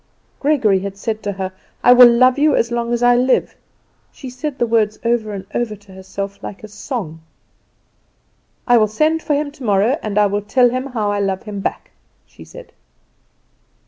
Gregory had said to her, "I will love you as long as I live." She said the words over and over to herself like a song. "I will send for him tomorrow, and I will tell him how I love him back," she said.